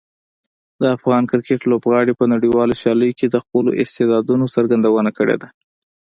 د افغان کرکټ لوبغاړي په نړیوالو سیالیو کې د خپلو استعدادونو څرګندونه کړې ده.